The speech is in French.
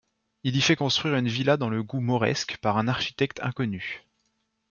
Il y fait construire une villa dans le goût mauresque par un architecte inconnu.